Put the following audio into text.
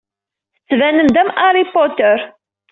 Tettbanem-d am Harry Potter.